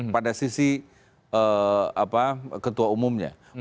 pada sisi ketua umumnya